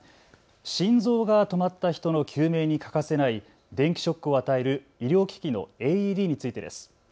心臓が止まった人の救命に欠かせない電気ショックを与える医療機器のＡＥＤについてです。